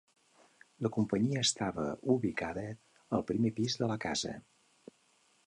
La companyia estava ubicada al primer pis de la casa.